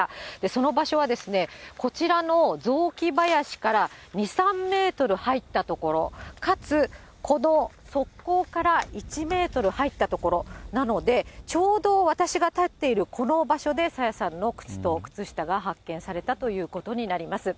その場所は、こちらの雑木林から２、３メートル入った所、かつ、この側溝から１メートル入った所なので、ちょうど私が立っているこの場所で朝芽さんの靴と靴下が発見されたということになります。